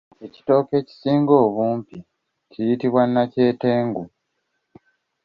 Ekitooke ekisinga obumpi kiyitibwa nakyetengu.